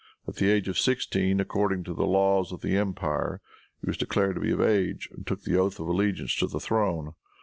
At the age of sixteen, according to the laws of the empire, he was declared to be of age and took the oath of allegiance to the throne.